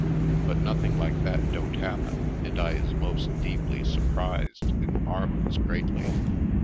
But noth ing like that don't happen and I is most deeply surprised and marvels greatly.